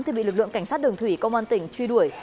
thì bị lực lượng cảnh sát đường thủy công an tỉnh truy đuổi